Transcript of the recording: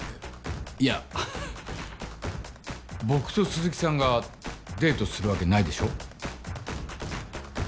いや僕と鈴木さんがデートするわけないでしょ？